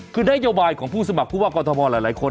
คือนโยบายของผู้สมัครผู้ว่ากรทมหลายคน